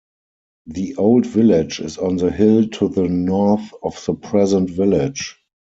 The old village is on the hill to the north of the present village.